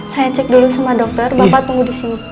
saya cek dulu sama dokter bapak tunggu di sini